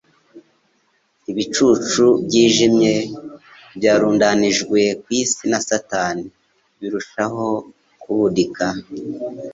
Ibicucu byijimye byarundanijwe ku isi na Satani, birushaho kubudika.